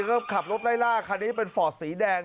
ก็ขับรถไล่ล่าคันนี้เป็นฟอร์ดสีแดง